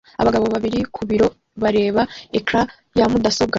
Abagore babiri ku biro bareba ecran ya mudasobwa